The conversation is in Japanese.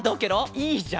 いいじゃん！